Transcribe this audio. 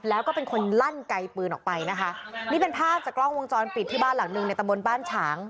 แล้วก็เป็นคนลั่นไกลปืนออกไปนะคะนี่เป็นภาพจากกล้องวงจรปิดที่บ้านหลังหนึ่งในตะบนบ้านฉาง